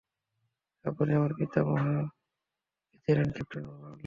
আপনি আমার পিতামহকে চেনেন, ক্যাপ্টেন রোল্যান্ড।